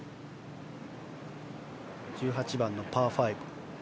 １８番のパー５。